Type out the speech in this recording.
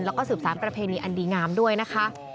แล้วก็สืบสารประเพณีอันดีงามด้วยนะคะ